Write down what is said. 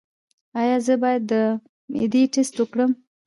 ایا زه باید د معدې ټسټ وکړم؟